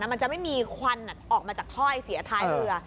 มันจะไม่มีควันออกมาจากถ้อยเสียท้ายเรือ